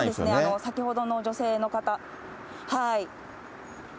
先ほどの女性の方、はい。